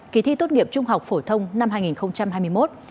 kỳ thi tốt nghiệp trung học phổ thông năm hai nghìn hai mươi một